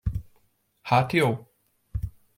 Hát jó!